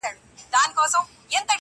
او ستا اوښکي د زم زم څو مرغلري,